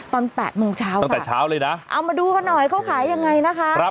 ตอน๘โมงเช้าตั้งแต่เช้าเลยนะเอามาดูกันหน่อยเขาขายยังไงนะคะ